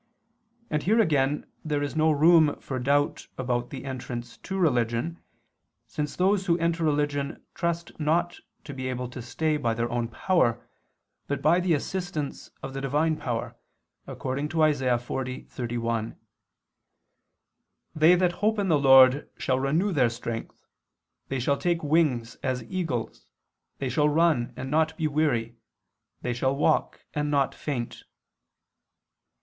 And here again there is no room for doubt about the entrance to religion, since those who enter religion trust not to be able to stay by their own power, but by the assistance of the divine power, according to Isa. 40:31, "They that hope in the Lord shall renew their strength, they shall take wings as eagles, they shall run and not be weary, they shall walk and not faint."